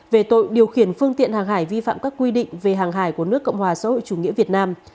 về tội điều khiển phương tiện hàng hải vi phạm các quy định về hàng hải của nước cộng hòa xã hội chủ nghĩa việt nam